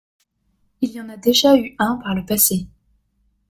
Il y en a déjà eu un par le passé.